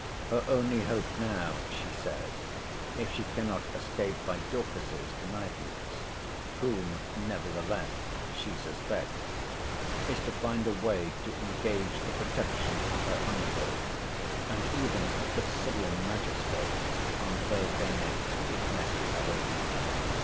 Her only hope, now, she says, if she cannot escape by Dorcas's connivance, (whom, nevertheless she suspects,) is to find a way to engage the protection of her uncle, and even of the civil magistrate, on Thursday next, if necessary.